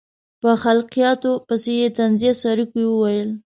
په خلقیاتو پسې یې طنزیه سروکي وویل.